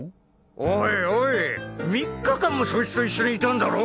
おいおい３日間もそいつと一緒にいたんだろ？